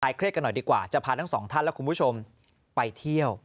เครียดกันหน่อยดีกว่าจะพาทั้งสองท่านและคุณผู้ชมไปเที่ยว